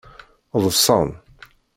Ḍṣan.